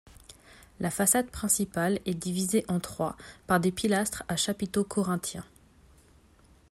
La façade principale est divisée en trois par des pilastres à chapiteaux corinthiens.